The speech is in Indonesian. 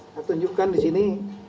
saya tunjukkan di sini